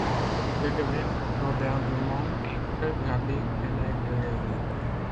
Ce devait probablement être l'abbé Kremer de Lelling.